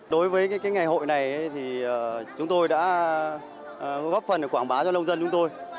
đối với ngày hội này chúng tôi đã góp phần để quảng bá cho nông dân chúng tôi